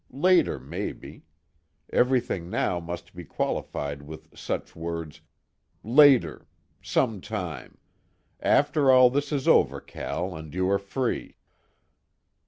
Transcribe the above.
Later, maybe. Everything now must be qualified with such words: "later" "some time" "after all this is over, Cal, and you are free."